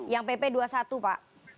yang pp dua puluh satu pak